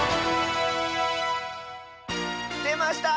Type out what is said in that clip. でました！